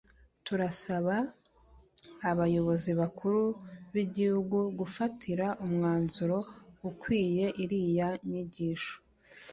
turasaba abayobozi bakuru b’igihugu gufatira umwanzuro ukwiye iriya nyigisho"